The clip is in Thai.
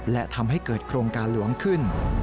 และทำให้เกิดโครงการหลวงขึ้น